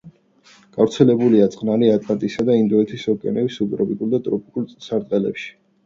გავრცელებულია წყნარი, ატლანტისა და ინდოეთის ოკეანეების სუბტროპიკულ და ტროპიკულ სარტყლებში.